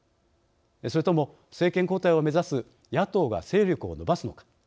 それとも政権交代を目指す野党が勢力を伸ばすのか。